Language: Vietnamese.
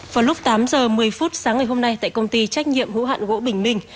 vào lúc tám giờ một mươi phút sáng ngày hôm nay tại công ty trách nhiệm hữu hạn gỗ bình minh